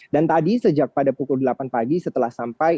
dan tadi sejak pada pukul delapan pagi setelah sampai